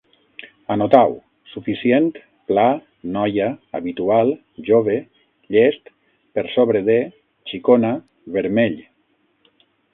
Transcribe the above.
Anotau: suficient, pla, noia, habitual, jove, llest, per sobre de, xicona, vermell